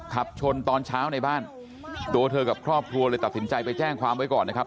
ขับชนตอนเช้าในบ้านตัวเธอกับครอบครัวเลยตัดสินใจไปแจ้งความไว้ก่อนนะครับ